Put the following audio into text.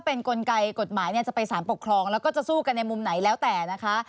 เป็นกลไกกฎหมายจะไปสารปกครองแล้วก็จะสู้กันในมุมไหนแล้วแต่นะคะ